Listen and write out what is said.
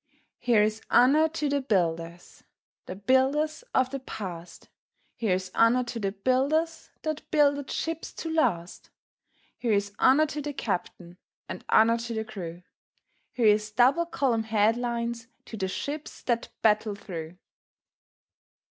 Here's honour to the builders – The builders of the past; Here's honour to the builders That builded ships to last; Here's honour to the captain, And honour to the crew; Here's double column headlines To the ships that battle through.